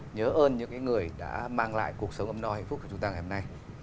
nhớ ơn những người đã mang lại cuộc sống ấm no hạnh phúc của chúng ta ngày hôm nay